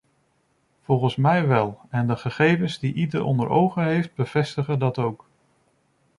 Volgens mij wel en de gegevens die ieder onder ogen heeft bevestigen dat ook.